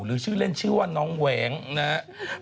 หรือชื่อเล่นชื่อว่าน้องแหวงนะครับ